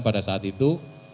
pada saat itu